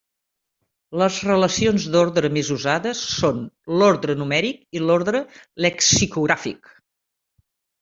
Les relacions d'ordre més usades són l'ordre numèric i l'ordre lexicogràfic.